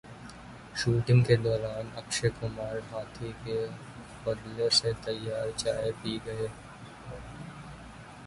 shooting کے دوران اکشے کمار ہاتھی کے فضلے سے تیار چائے پی گئے